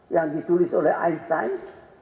yang ditulis oleh einstein